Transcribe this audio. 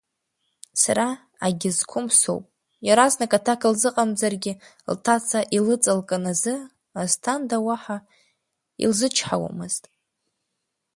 Сара агьызқәым соуп, иаразнак аҭак лзыҟамҵазаргьы, лҭаца илыҵалкын азы, Асҭанда уаҳа илзычҳауамызт.